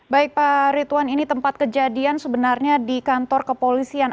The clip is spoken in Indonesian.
baik pak ridwan ini tempat kejadian sebenarnya di kantor kepolisian